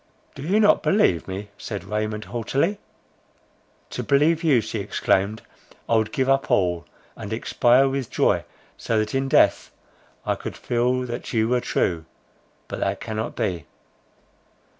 "Do you not believe me?" said Raymond haughtily. "To believe you," she exclaimed, "I would give up all, and expire with joy, so that in death I could feel that you were true—but that cannot be!"